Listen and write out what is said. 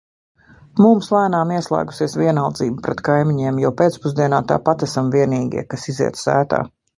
Mums lēnām ieslēgusies vienaldzība pret kaimiņiem, jo pēcpusdienā tāpat esam vienīgie, kas iziet sētā.